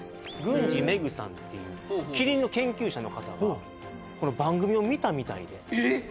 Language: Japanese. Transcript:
郡司芽久さんっていうキリンの研究者の方がこの番組を見たみたいでえっ！